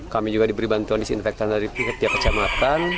kami juga diberi bantuan disinfektan dari pihak tiap kecamatan